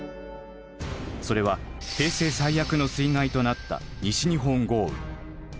それは平成最悪の水害となった西日本豪雨。